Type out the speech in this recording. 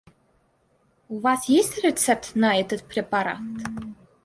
У вас есть рецепт на этот препарат?